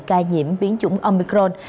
ca nhiễm biến chủng omicron